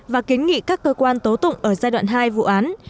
và kiến nghị các cơ quan tố tụng ở giai đoạn hai vụ án